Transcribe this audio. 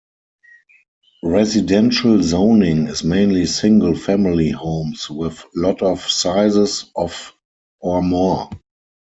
Residential zoning is mainly single family homes with lot of sizes of or more.